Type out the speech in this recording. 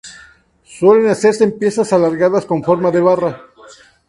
Suele hacerse en piezas alargadas, con forma de barra.